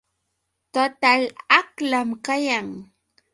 Total aqlam kayan.